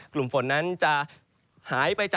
ก็คือบริเวณอำเภอเมืองอุดรธานีนะครับ